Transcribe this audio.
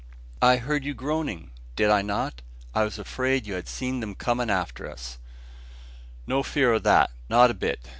"I heard you groaning, did I not? I was afraid you had seen them coming after us." "No fear o' that, not a bit.